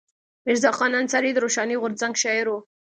میرزا خان انصاري د روښاني غورځنګ شاعر و.